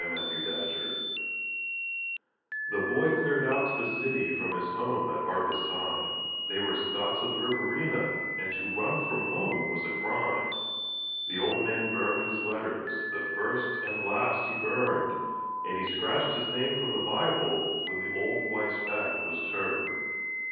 9 Autoplay The boy cleared out to the city from his home at harvest time They were Scots of the Riverina, and to run from home was a crime. The old man burned his letters, the first and last he burned, And he scratched his name from the Bible when the old wife's back was turned.